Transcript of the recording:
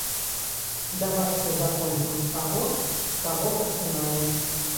Давайце закончым з таго, з чаго пачыналі.